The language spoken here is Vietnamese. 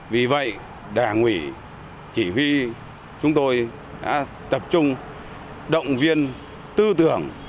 vì vậy đảng ủy chỉ huy chúng tôi đã tập trung động viên tư tưởng